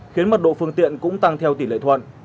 khiến mật độ phương tiện cũng tăng theo tỷ lệ thuận